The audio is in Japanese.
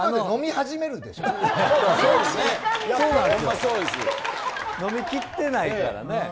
飲み切ってないからね。